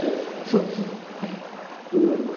そうそうはい。